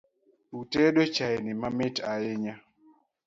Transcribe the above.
Utedo chaini mamit ahinya